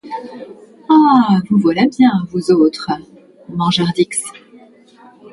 Ah ! vous voilà bien, vous autres, mangeurs d’x !